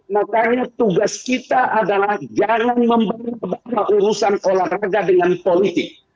makanya tugas kita adalah jangan membaca urusan olahraga dengan politik